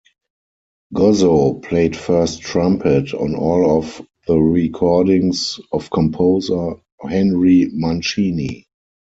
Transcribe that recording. Gozzo played first trumpet on all of the recordings of composer Henry Mancini.